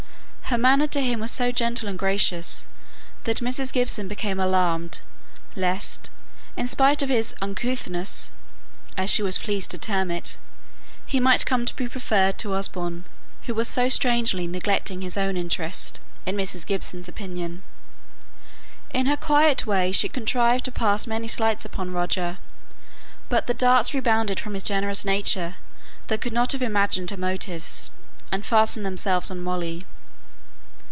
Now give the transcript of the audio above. Her manner to him was so gentle and gracious that Mrs. Gibson became alarmed, lest, in spite of his "uncouthness" (as she was pleased to term it), he might come to be preferred to Osborne, who was so strangely neglecting his own interests, in Mrs. Gibson's opinion. In her quiet way, she contrived to pass many slights upon Roger; but the darts rebounded from his generous nature that could not have imagined her motives, and fastened themselves on Molly.